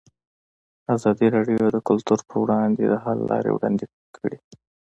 ازادي راډیو د کلتور پر وړاندې د حل لارې وړاندې کړي.